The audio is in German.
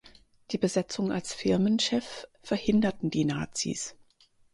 Die Besetzung als Firmenchef verhinderten die Nazis.